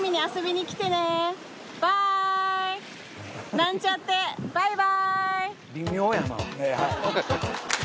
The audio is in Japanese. なんちゃってバイバーイ！